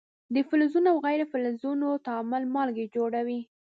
د فلزونو او غیر فلزونو تعامل مالګې جوړوي.